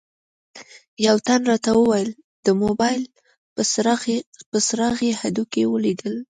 یوه تن راته وویل د موبایل په څراغ یې هډوکي ولیدل.